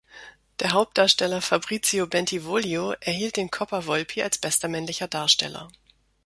Der Hauptdarsteller Fabrizio Bentivoglio erhielt den Coppa Volpi als bester männlicher Darsteller.